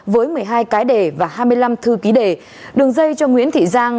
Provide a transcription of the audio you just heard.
với một mươi hai cái đề và hai mươi năm thư ký đề đường dây cho nguyễn thị giang